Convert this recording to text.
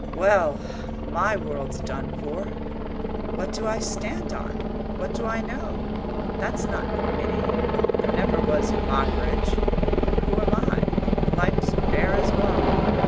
Well, my world's done for! What do I stand on? What do I know? That's not Minnie. There never was Moggridge. Who am I? Life's bare as bone.